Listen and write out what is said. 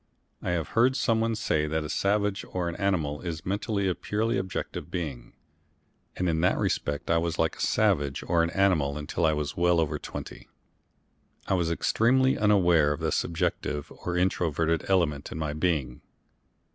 I have heard someone say that a savage or an animal is mentally a purely objective being, and in that respect I was like a savage or an animal until I was well over twenty. I was extremely unaware of the subjective or introverted element in my being.